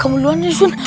kamuluan ya asun